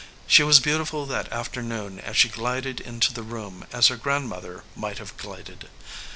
She was beautiful that afternoon as she glided into the room as her grandmother might have glided.